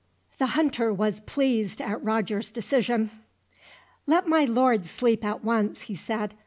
The hunter was pleased at Roger's decision. "Let my lord sleep at once," he said.